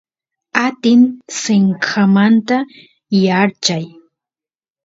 atin senqanmanta yaarchay